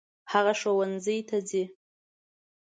هغه ښوونځي ته ځي.